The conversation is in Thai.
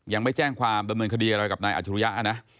ยังไม่แจ้งความดำเนินคดีอะไรกับนายอัจฉริยะนะ